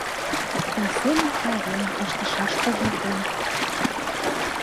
У семын пайремым ыштышаш огыл гын